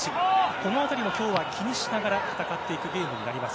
この辺りも、今日は気にしながら戦っていくゲームになります。